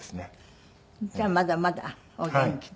じゃあまだまだお元気で。